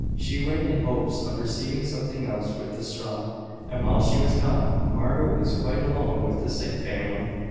She went, in hopes of receiving something else with the straw; and while she was gone, Margaret was quite alone with the sick family.